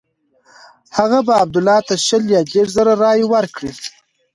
هغه به عبدالله ته شل یا دېرش زره رایې ورکړي.